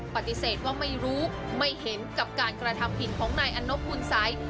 ปฏิเสธว่าไม่รู้ไม่เห็นกับการกระทำผิดของนายอนบบุญสัย